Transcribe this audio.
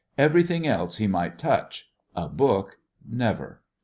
Everything else he might touch, ŌĆö a book never.